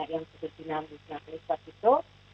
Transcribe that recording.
yang sudah dinamis saat itu